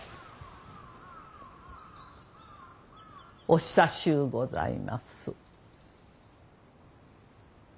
お久しゅうございます。